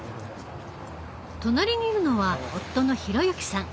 隣にいるのは夫の弘幸さん。